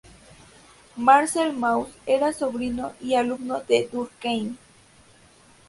Marcel Mauss era sobrino y alumno de Durkheim.